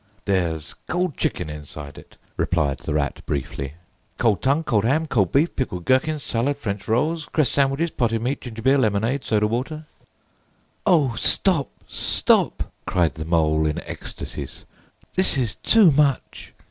"There's cold chicken inside it," replied the Rat briefly; " coldtonguecoldhamcoldbeefpickledgherkinssaladfrenchrollscresssandwiches pottedme atgingerbeerlemonadesodawater——" "O stop, stop," cried the Mole in ecstacies: "This is too much!"